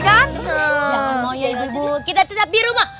jangan mau ya ibu ibu kita tetap di rumah